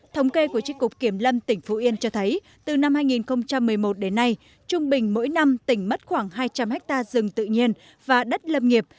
thống kê của tri cục kiểm lâm tỉnh phú yên cho thấy từ năm hai nghìn một mươi một đến nay trung bình mỗi năm tỉnh mất khoảng hai trăm linh hectare rừng tự nhiên và đất lâm nghiệp